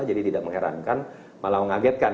tidak mengherankan malah mengagetkan